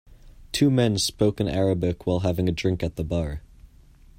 Two men spoke in Arabic while having a drink at the bar.